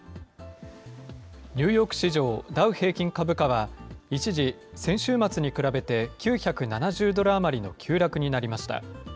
ニューヨーク市場ダウ平均株価は、一時、先週末に比べて９７０ドル余りの急落になりました。